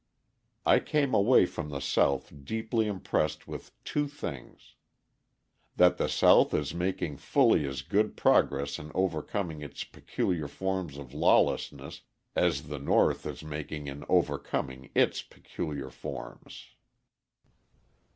I came away from the South deeply impressed with two things: That the South is making fully as good progress in overcoming its peculiar forms of lawlessness as the North is making in overcoming its peculiar forms.